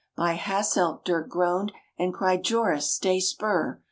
By Hasselt, Dirck groaned; and cried Joris, "Stay spur!